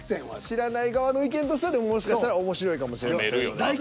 知らない側の意見としてはでももしかしたら面白いかもしれない。